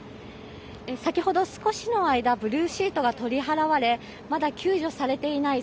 先ほど少しの間ブルーシートが取り払われまだ救助されていない